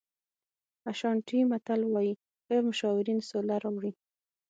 اشانټي متل وایي ښه مشاورین سوله راوړي.